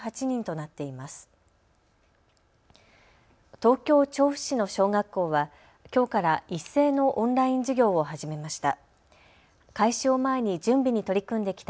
東京調布市の小学校はきょうから一斉のオンライン授業を始めました。